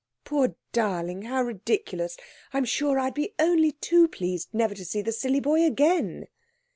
'Poor darling, how ridiculous! I'm sure I'd be only too pleased never to see the silly boy again.'